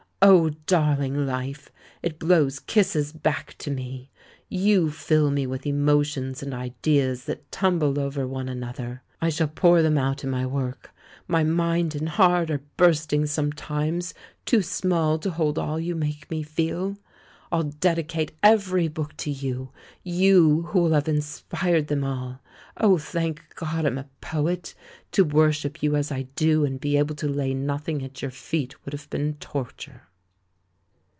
O darling Life, it blows kisses back to me ! You fill me with emotions and ideas that tumble over one another. I shall pour them out in my work — my mind and heart are bursting sometimes, too small to hold all you make me feel. I'll dedicate every book to you — ^you who'll have inspired them all. Oh, thank God I'm a poet ! To worship you as I do and be able to lay nothing at your feet would have been torture."